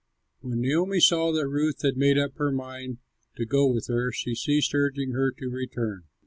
When Naomi saw that Ruth had made up her mind to go with her, she ceased urging her to return.